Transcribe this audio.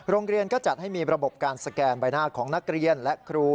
โรงเรียนก็จัดให้มีระบบการสแกนใบหน้าของนักเรียนและครู